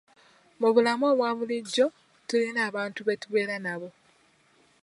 Mu bulamu obwa bulijjo, tulina abantu be tubeera nabo.